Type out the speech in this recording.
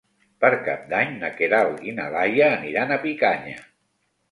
Per Cap d'Any na Queralt i na Laia aniran a Picanya.